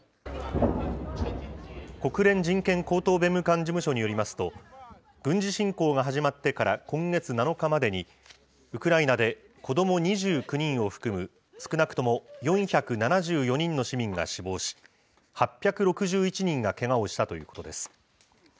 国連人権高等弁務官事務所によりますと、軍事侵攻が始まってから今月７日までに、ウクライナで子ども２９人を含む少なくとも４７４人の市民が死亡し、８６１人がけがをしたということです。